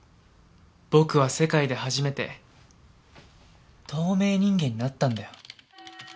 僕は世界で初めて透明人間になったんだよ。